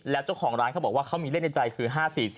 แล้วเจ้าของร้านเขาบอกว่าเขามีเล่นในใจคือ๕๔๔